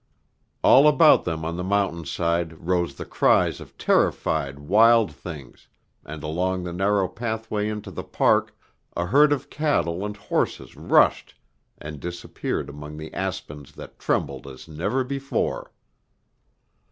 All about them on the mountain side rose the cries of terrified wild things, and along the narrow pathway into the park a herd of cattle and horses rushed and disappeared among the aspens that trembled as never before.